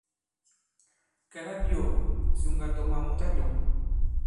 Kɛ̌ labiɔ̀ɔ̀, ŋ̀sùŋgà tɔ̀ mwǎ mu tatɔ̄ŋ.